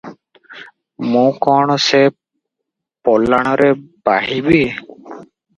ମୁଁ କଣ ସେ ପଲାଣରେ ବାହିବି?